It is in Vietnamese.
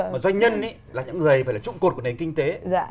mà doanh nhân ý là những người phải là trụng cột của nền kinh tế